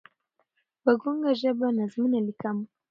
په ګونګه ژبه نظمونه لیکم